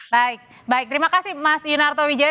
baik baik terima kasih mas yunarto wijaya